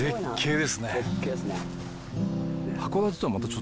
で